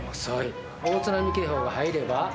大津波警報が入れば？